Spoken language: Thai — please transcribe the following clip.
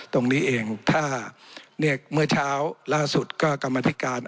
ตรงนี้เองถ้าเนี่ยเมื่อเช้าล่าสุดก็กรรมธิการ